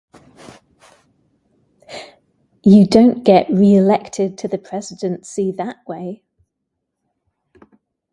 You don't get reelected to the presidency that way.